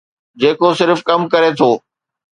جيڪو صرف ڪم ڪري ٿو.